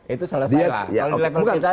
itu salah salah